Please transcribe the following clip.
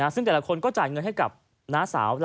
ซึ่งแต่ละคนก็จ่ายเงินให้กับน้าสาว